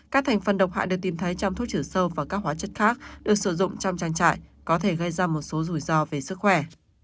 các thành phần độc hại được tìm thấy trong thuốc trừ sâu và các hóa chất khác được sử dụng trong trang trại có thể gây ra một số rủi ro về sức khỏe